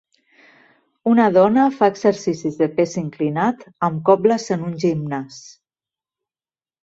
Una dona fa exercicis de pes inclinat amb cobles en un gimnàs.